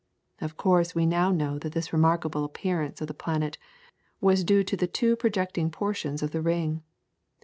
Of course we now know that this remarkable appearance of the planet was due to the two projecting portions of the ring.